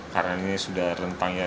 karena ini sudah rentang ya